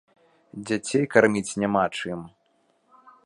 Дзяцей карміць няма чым.